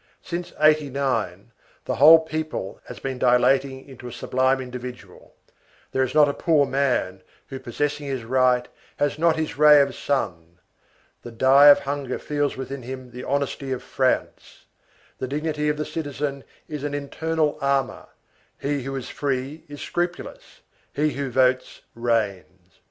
Since '89, the whole people has been dilating into a sublime individual; there is not a poor man, who, possessing his right, has not his ray of sun; the die of hunger feels within him the honesty of France; the dignity of the citizen is an internal armor; he who is free is scrupulous; he who votes reigns.